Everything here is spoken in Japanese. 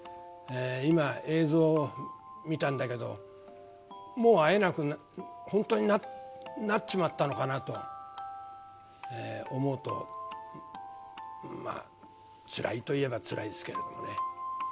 今、映像を見たんだけど、もう会えなく、本当になっちまったのかなと思うと、まあ、つらいと言えばつらいですけどね。